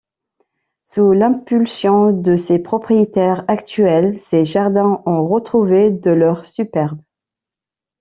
Sous l'impulsion de ses propriétaires actuels, ses jardins ont retrouvé de leur superbe.